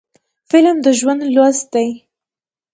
فلم د ژوند لوست دی